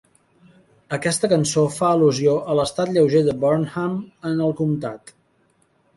Aquesta cançó fa al·lusió a l'estat lleuger de Burnham en el comtat.